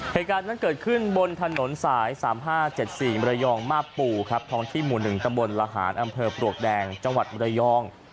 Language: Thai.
เหตุการณ์นั้นเกิดขึ้นบนถนนสาย๓๕๗๔มรยองมาบปู่ครับท้องที่หมู่๑ตำบลละหารอำเภอปลวกแดงจังหวัดมรยอง